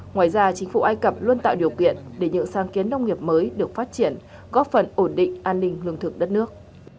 ngoài ra chính phủ ai cập luôn tạo điều kiện để những sáng kiến nông nghiệp mới được phát triển góp phần ổn định an ninh lương thực đất nước